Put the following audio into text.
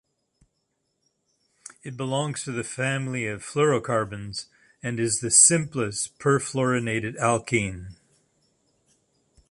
It belongs to the family of fluorocarbons and is the simplest perfluorinated alkene.